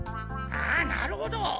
ああなるほど！